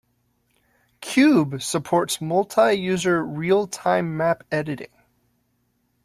Cube supports multi-user, realtime map editing.